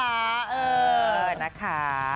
เออนะคะ